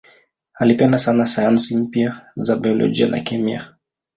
Alipenda sana sayansi mpya za biolojia na kemia.